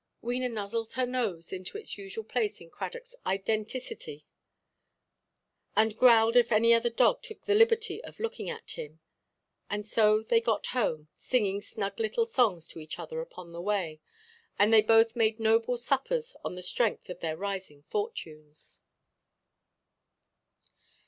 '" Wena nuzzled her nose into its usual place in Cradockʼs identicity, and growled if any other dog took the liberty of looking at him. And so they got home, singing snug little songs to each other upon the way; and they both made noble suppers on the strength of their rising fortunes.